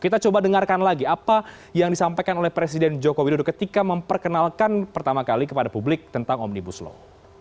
kita coba dengarkan lagi apa yang disampaikan oleh presiden joko widodo ketika memperkenalkan pertama kali kepada publik tentang omnibus law